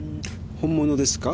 本物ですか？